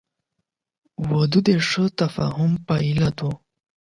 • واده د ښه تفاهم پایله ده.